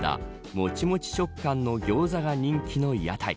もちもち食感のギョーザが人気の屋台。